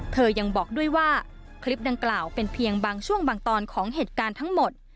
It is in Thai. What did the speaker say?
ยังบอกด้วยว่าคลิปดังกล่าวเป็นเพียงบางช่วงบางตอนของเหตุการณ์ทั้งหมด